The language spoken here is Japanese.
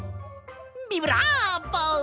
ビブラーボ！